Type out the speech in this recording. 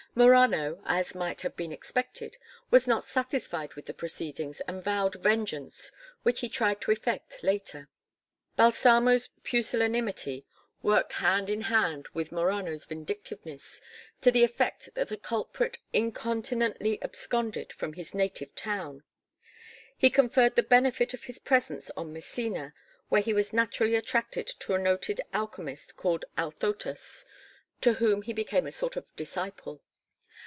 Morano, as might have been expected, was not satisfied with the proceedings and vowed vengeance which he tried to effect later. Balsamo's pusillanimity worked hand in hand with Morano's vindictiveness, to the effect that the culprit incontinently absconded from his native town. He conferred the benefit of his presence on Messina where he was naturally attracted to a noted alchemist called Althotas, to whom he became a sort of disciple.